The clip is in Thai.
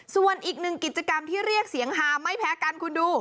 ส่วนอีกหนึ่งกิจกรรมที่เรียกเสียงฮาไม่แพ้กันคุณดู